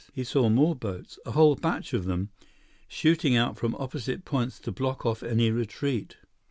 He saw more boats, a whole batch of them, shooting out from opposite points to block off any retreat.